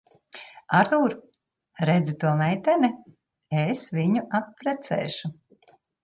Artūr, redzi to meiteni? Es viņu apprecēšu.